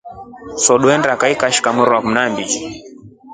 Swee trweshinda kaa ikashika mweri wa ikumi ha ivili.